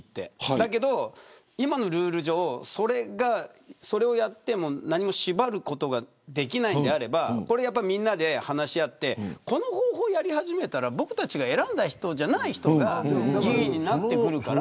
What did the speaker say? だけど、今のルール上それをやっても何も縛ることができないのであればみんなで話し合ってこの方法をやり始めたら僕たちが選んだ人じゃない人が議員になってくるから。